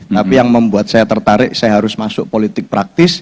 tapi yang membuat saya tertarik saya harus masuk politik praktis